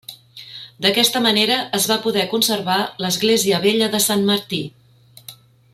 D'aquesta manera es va poder conservar l'església vella de Sant Martí.